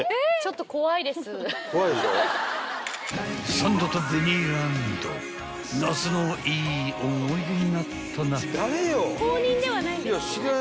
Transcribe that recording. ［サンドとベニーランド夏のいい思い出になったな］